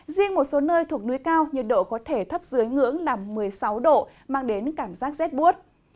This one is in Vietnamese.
riêng một số nơi thuộc núi cao nhiệt độ có thể thấp dưới ngưỡng là một mươi sáu độ mang đến cảm giác rét buốt